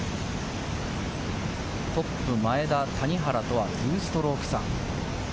トップ・前田、谷原とは２ストローク差。